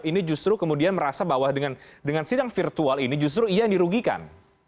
ini justru kemudian merasa bahwa dengan sidang virtual ini justru ia yang dirugikan